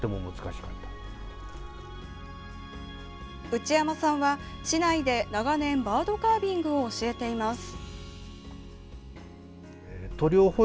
内山さんは市内で長年バードカービングを教えています。